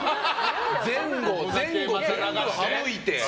前後全部省いて。